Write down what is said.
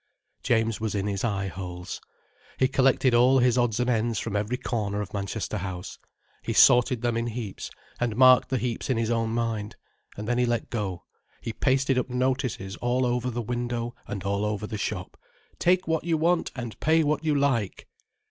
James was in his eye holes. He collected all his odds and ends from every corner of Manchester House. He sorted them in heaps, and marked the heaps in his own mind. And then he let go. He pasted up notices all over the window and all over the shop: "Take what you want and Pay what you Like."